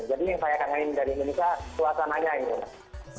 jadi yang saya kangenin dari indonesia suasananya gitu